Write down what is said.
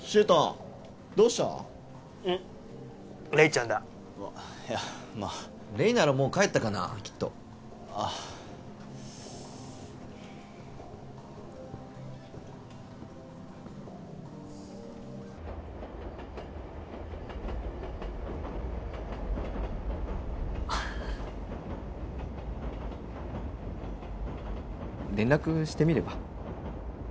黎ちゃんだいやまあ黎ならもう帰ったかなきっとああ連絡してみれば？